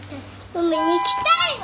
海に行きたいの！